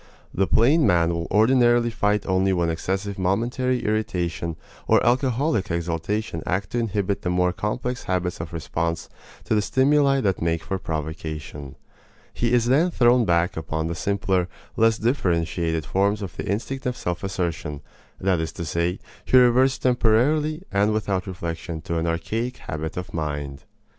The plain man will ordinarily fight only when excessive momentary irritation or alcoholic exaltation act to inhibit the more complex habits of response to the stimuli that make for provocation. He is then thrown back upon the simpler, less differentiated forms of the instinct of self assertion; that is to say, he reverts temporarily and without reflection to an archaic habit of mind.